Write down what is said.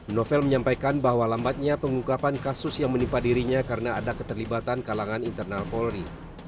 novel menyampaikan bahwa lambatnya pengungkapan kasus yang menimpa dirinya karena ada keterlibatan kalangan internal polri